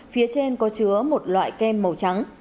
phía trên có chứa một loại kem màu trắng